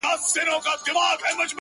دغه ياغي خـلـگـو بــه منـلاى نـــه.